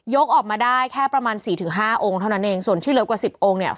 ออกมาได้แค่ประมาณสี่ถึงห้าองค์เท่านั้นเองส่วนที่เหลือกว่าสิบองค์เนี่ย